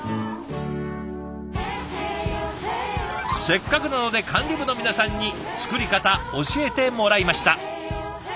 せっかくなので管理部の皆さんに作り方教えてもらいました。